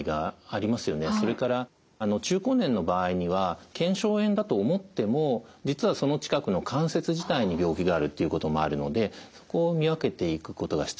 それから中高年の場合には腱鞘炎だと思っても実はその近くの関節自体に病気があるっていうこともあるのでそこを見分けていくことが必要だと思います。